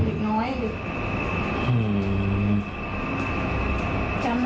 อันดับที่สุดท้าย